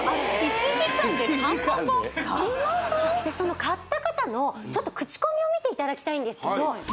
その買った方の口コミを見ていただきたいんですけどあら